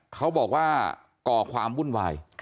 เขาบอกว่าก่อความวุ่นวาย